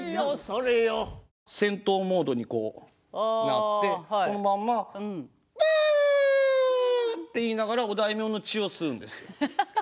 戦闘モードになってこのまんま「ぶん」って言いながらお大名の血を吸うんですよ。